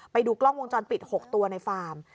ไปดูกล้องวงจรปิด๖ตัวในฟาร์ม